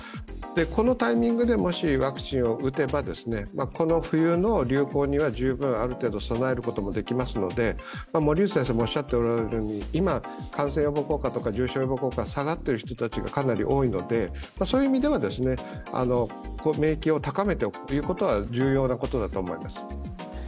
このタイミングでもしワクチンを打てばこの冬の流行には十分、ある程度備えることができますので今、感染予防効果とか重症予防効果下がっておられる方が多いので、そういう意味では免疫を高めておくということは重要なことだと思います。